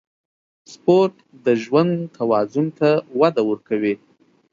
سپورت د ژوند توازن ته وده ورکوي.